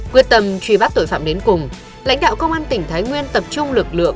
quyết tâm truy bắt tội phạm đến cùng lãnh đạo công an tỉnh thái nguyên tập trung lực lượng